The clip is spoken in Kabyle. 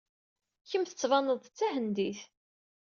Kemm tettbaneḍ-d d Tahendit.